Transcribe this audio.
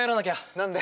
何で？